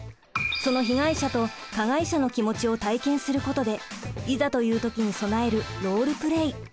その被害者と加害者の気持ちを体験することでいざという時に備えるロールプレイ。